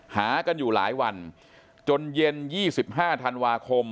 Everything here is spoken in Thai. หากันอยู่หลายวันจนเย็น๒๕ธันวาคม